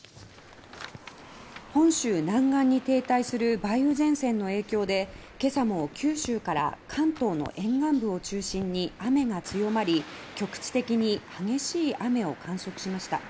本州南岸に停滞する梅雨前線の影響で今朝も九州から関東の沿岸部を中心に雨が強まり局地的に激しい雨を観測しました。